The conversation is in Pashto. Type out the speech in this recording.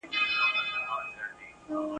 پر کوچني باندي بي رحمي او ظلم کول.